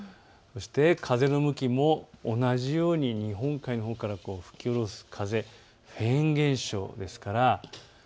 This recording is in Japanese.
そして風の向きも同じように日本海のほうから吹き降ろす風です。